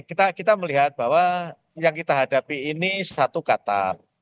kita melihat bahwa yang kita hadapi ini satu kata